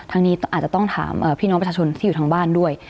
นี้อาจจะต้องถามพี่น้องประชาชนที่อยู่ทางบ้านด้วย